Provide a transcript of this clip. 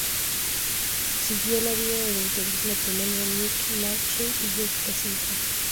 Siguió la vida del entonces matrimonio de Nick Lachey y Jessica Simpson.